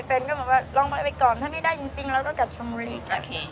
ก็บอกว่าลองไปก่อนถ้าไม่ได้จริงเราก็กลับชนบุรี